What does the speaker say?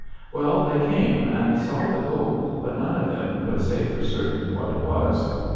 Well, they came and saw the gold but none of them could say for certain what it was.